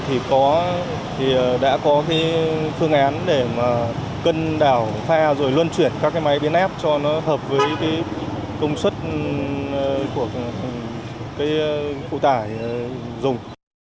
thì đã có phương án để cân đảo pha rồi luân chuyển các máy biến ép cho nó hợp với công suất của phụ tải dùng